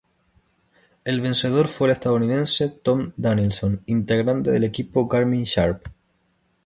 El vencedor fue el estadounidense Tom Danielson, integrante del equipo Garmin Sharp.